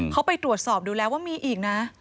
เขาไปตรวจสอบดูแล้วว่ามีอีกนะ